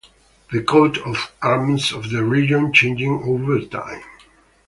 The coat of arms of the region changed over time.